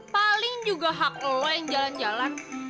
paling juga hak lo yang jalan jalan